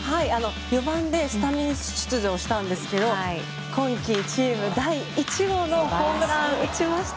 ４番でスタメン出場したんですが今季チーム第１号のホームランを打ちました。